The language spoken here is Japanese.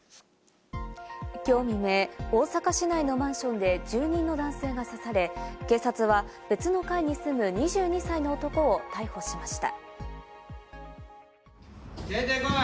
きょう未明、大阪市内のマンションで住人の男性が刺され、警察は、別の階に住む２２歳の男を逮捕しました。